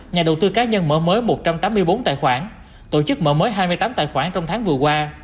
nhà đầu tư cá nhân mở mới một trăm tám mươi bốn tài khoản tổ chức mở mới hai mươi tám tài khoản trong tháng vừa qua